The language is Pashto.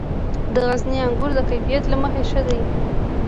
د غزني انګور د کیفیت له مخې ښه دي.